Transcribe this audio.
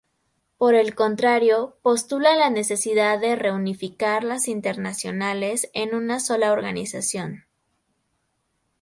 Por el contrario, postula la necesidad de reunificar las internacionales en una sola organización.